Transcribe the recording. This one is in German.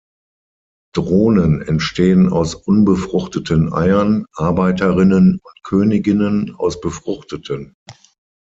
Drohnen entstehen aus unbefruchteten Eiern, Arbeiterinnen und Königinnen aus befruchteten.